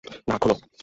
না - খোল!